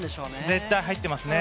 絶対に入っていますね。